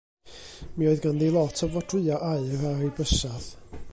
Mi oedd ganddi lot o fodrwya' aur ar 'i bysadd.